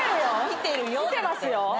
見てますよ。